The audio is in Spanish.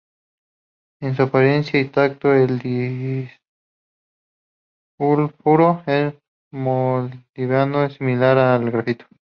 En su apariencia y tacto, el disulfuro de molibdeno es similar al grafito.